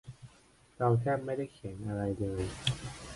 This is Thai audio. เราแทบไม่ได้เขียนอะไรเลย